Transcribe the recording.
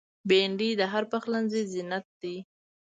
بېنډۍ د هر پخلنځي زینت ده